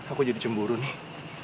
aku jadi cemburu nih